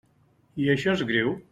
I això és greu.